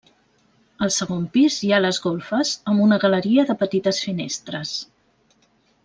Al segon pis hi ha les golfes amb una galeria de petites finestres.